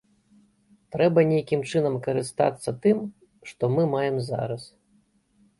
Трэба нейкім чынам карыстацца тым, што мы маем зараз.